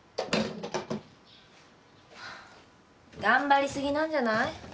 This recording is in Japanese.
頑張り過ぎなんじゃない？